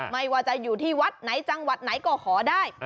ไม่ว่าจะอยู่ที่วัดไหนจังหวัดไหนก็ขอได้